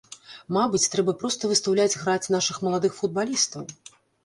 Мабыць, трэба проста выстаўляць граць нашых маладых футбалістаў?